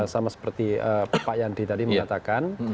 sama seperti pak yandri tadi mengatakan